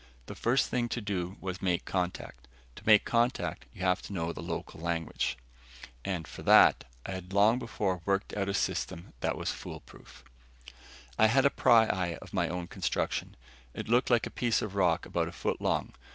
The first thing to do was make contact. To make contact, you have to know the local language. And, for that, I had long before worked out a system that was fool proof. I had a pryeye of my own construction. It looked like a piece of rock about a foot long.